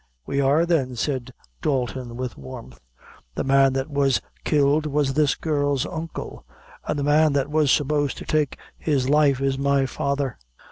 "We are, then," said Dalton, with warmth; "the man that was killed was this girl's uncle, and the man that was supposed to take his life is my father.